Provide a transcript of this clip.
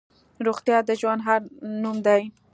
روغتیا د ژوند هر نوم دی.